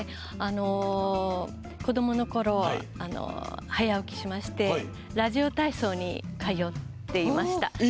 子どものころ早起きしましてラジオ体操に通っていました。